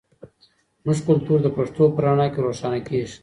زموږ کلتور د پښتو په رڼا کې روښانه کیږي.